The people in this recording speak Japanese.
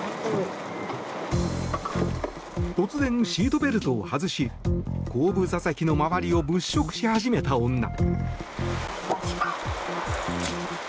突然、シートベルトを外し後部座席の周りを物色し始めた女。